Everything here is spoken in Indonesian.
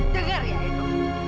dengar ya edo